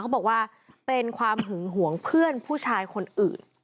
เขาบอกว่าเป็นความหึงหวงเพื่อนผู้ชายคนอื่น